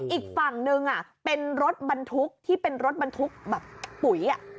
อีกฝั่งนึงเป็นรถบรรทุกที่เป็นรถบรรทุกแบบปุ๋ย